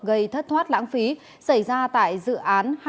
gây thất thoát lãng phí xảy ra tại dự án hai mươi tám